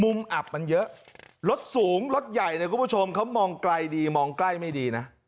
อับมันเยอะรถสูงรถใหญ่เนี่ยคุณผู้ชมเขามองไกลดีมองใกล้ไม่ดีนะ